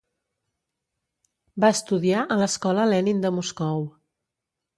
Va estudiar a l'Escola Lenin de Moscou.